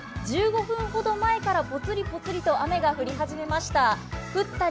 １５分ほど前からぽつりぽつりと雨が降り始めました。